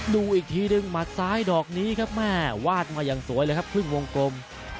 ดูอีกทีหนึ่งหมัดซ้ายดอกนี้ครับแม่วาดมาอย่างสวยเลยครับครึ่งวงกลม